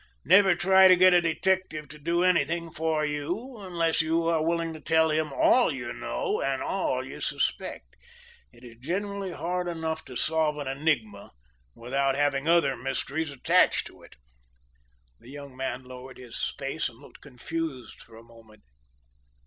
Never try to get a detective to do anything for you unless you are willing to tell him all you know and all you suspect. It is generally hard enough to solve an enigma without having other mysteries attached to it." The young man lowered his face and looked confused for a moment.